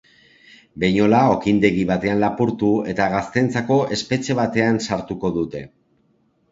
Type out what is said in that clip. Behinola okindegi batean lapurtu eta gazteentzako espetxe batean sartuko dute.